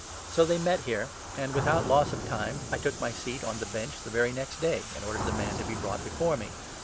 So they 17 met here, and without loss of time I took my seat on the Bench the very next day, and ordered the man to be brought before me.